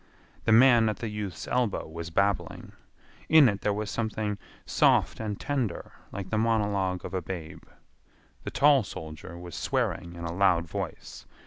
The man at the youth's elbow was babbling. In it there was something soft and tender like the monologue of a babe. The tall soldier was swearing in a loud voice.